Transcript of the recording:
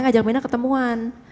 ngajak myrna ketemuan